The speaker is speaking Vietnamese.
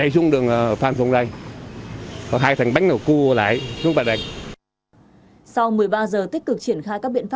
sau một mươi ba h tích cực triển khai các biện